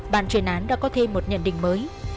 bàn truyền án đã có thêm một nhận định mới